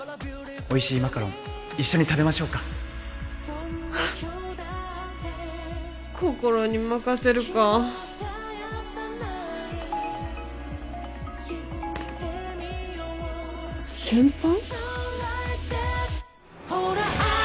おいしいマカロン一緒に食べましょうかはあっ心に任せるか先輩？